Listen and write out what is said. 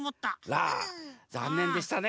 ラざんねんでしたね！